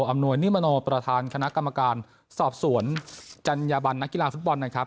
อำนวยนิมโนประธานคณะกรรมการสอบสวนจัญญาบันนักกีฬาฟุตบอลนะครับ